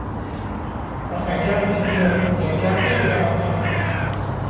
Per Sant Jordi n'Hug i en Jordi aniran al teatre.